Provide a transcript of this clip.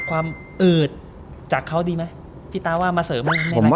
ความอืดจากเขาดีไหมพี่ตาว่ามาเสริมอะไร